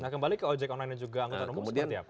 kembali ke ojek online yang juga angkutan umum seperti apa